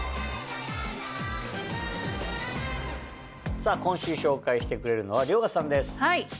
さぁ今週紹介してくれるのは遼河さんです。